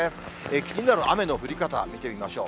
気になる雨の降り方、見てみましょう。